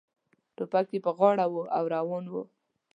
ټوپک یې پر غاړه و او روان و.